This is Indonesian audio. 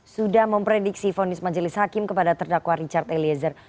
sudah memprediksi vonis majelis hakim kepada terdakwa richard eliezer